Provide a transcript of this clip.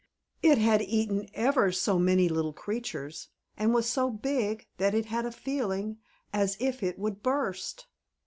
It had eaten ever so many little creatures, and was so big that it had a feeling as if it would burst.